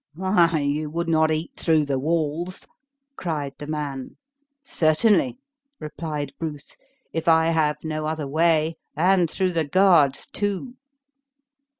"Why, you would not eat through the walls?" cried the man. "Certainly," replied Bruce, "if I have no other way, and through the guards too."